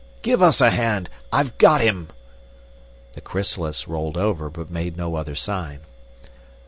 "Give us a hand! I've got him!" The chrysalis rolled over, but made no other sign.